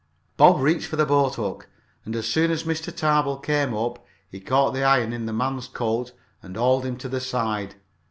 Bob reached for the boathook, and as soon as Mr. Tarbill came up, he caught the iron in the man's coat and hauled him to the side.